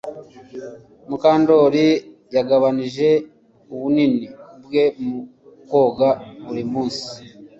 Mukandoli yagabanije ubunini bwe mu koga buri munsi